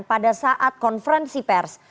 pada saat konferensi pers